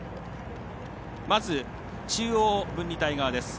まず、中央分離帯側です。